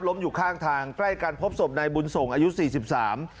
อยู่ข้างทางใกล้กันพบศพนายบุญส่งอายุสี่สิบสาม